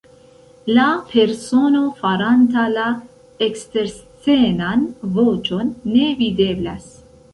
La persono faranta la eksterscenan voĉon ne videblas.